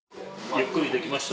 ゆっくりできました？